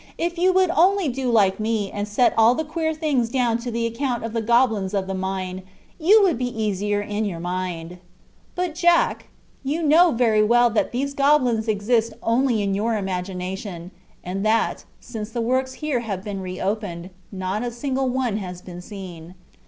"If you would only do like me, and set all the queer things down to the account of the goblins of the mine, you would be easier in your mind." "But, Jack, you know very well that these goblins exist only in your imagination, and that, since the works here have been reopened, not a single one has been seen."